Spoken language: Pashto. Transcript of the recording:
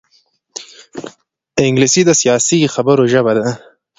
انګلیسي د سیاسي خبرو ژبه ده